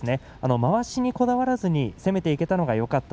まわしにこだわらずに攻めていけたのがよかった。